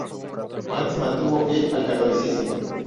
Juan se mantuvo fiel al catolicismo.